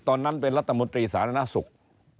ตอนนั้นเป็นรัฐมนตรีศาลนาศุกร์